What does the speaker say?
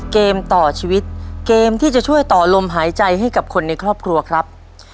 เกมต่อชีวิตเกมที่จะช่วยต่อลมหายใจให้กับคนในครอบครัวครับ